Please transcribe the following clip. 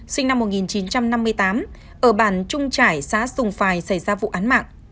sinh năm một nghìn chín trăm năm mươi tám ở bản trung trải xã sùng phài xảy ra vụ án mạng